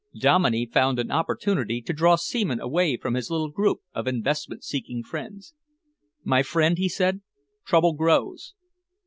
Dominey found an opportunity to draw Seaman away from his little group of investment seeking friends. "My friend," he said, "trouble grows."